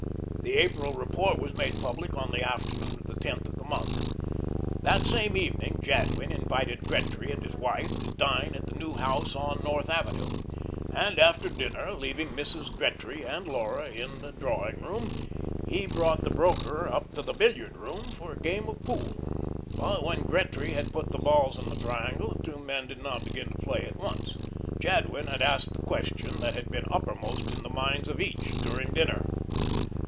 The April report was made public on the afternoon of the tenth of the month. That same evening Jadwin invited Gretry and his wife to dine at the new house on North Avenue; and after dinner, leaving Mrs. Gretry and Laura in the drawing room, he brought the broker up to the billiard room for a game of pool. But when Gretry had put the balls in the triangle, the two men did not begin to play at once. Jadwin had asked the question that had been uppermost in the minds of each during dinner.